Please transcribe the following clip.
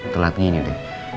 telat gini deh